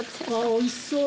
おいしそう。